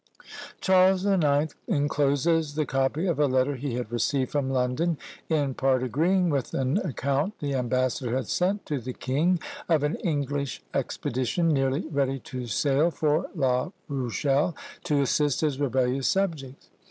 Charles the Ninth encloses the copy of a letter he had received from London, in part agreeing with an account the ambassador had sent to the king, of an English expedition nearly ready to sail for La Rochelle, to assist his rebellious subjects.